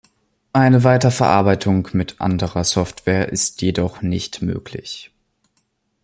Eine Weiterverarbeitung mit anderer Software ist jedoch nicht möglich.